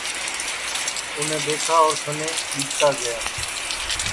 اُنے دؔیکھا اور سمے ٻیتا گیا